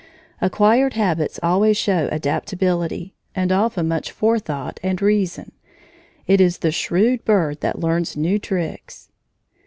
Acquired habits always show adaptability, and often much forethought and reason. It is the shrewd bird that learns new tricks.